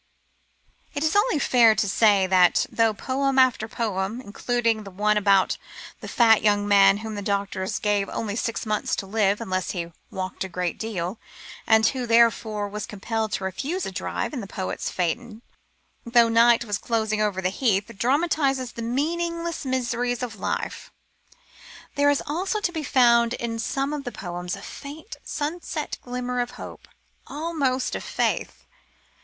It is only fair to say that, though poem after poem including the one about the fat young man whom the doctors gave only six months to live unless he walked a great deal, and who therefore was compelled to refuse a drive in the poet's phaeton, though night was closing over the heath dramatizes the meaningless miseries of life, there is also to be found in some of the poems a faint sunset glow of hope, almost of faith.